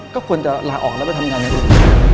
ก็ควรจะหลากออกแล้วไปทำงานในอุตส่วน